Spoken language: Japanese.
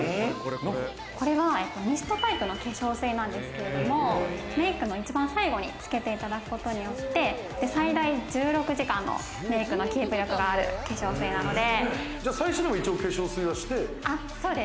これはミストタイプの化粧水なんですけれども、メイクの一番最後につけていただくことによって、最大１６時間のメイクのキープ力がある化粧水なので。